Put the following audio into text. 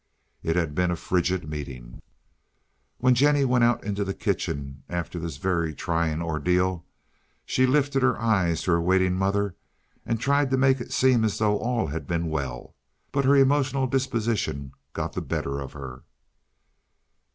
It had been a frigid meeting. When Jennie went out into the kitchen after this very trying ordeal she lifted her eyes to her waiting mother and tried to make it seem as though all had been well, but her emotional disposition got the better of her.